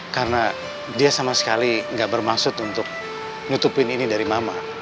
karena dia sama sekali enggak bermaksud untuk nutupin ini dari mama